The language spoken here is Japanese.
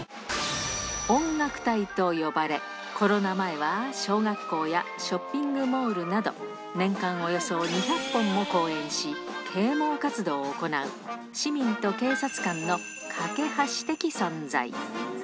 音楽隊と呼ばれ、コロナ前は小学校やショッピングモールなど、年間およそ２００本も公演し、啓もう活動を行う、市民と警察官の懸け橋的存在。